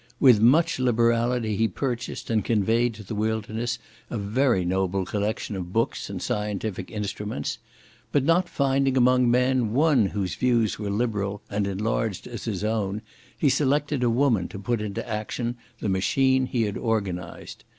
With much liberality he purchased and conveyed to the wilderness a very noble collection of books and scientific instruments; but not finding among men one whose views were liberal and enlarged as his own, he selected a woman to put into action the machine he had organized.